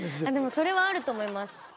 それはあると思います。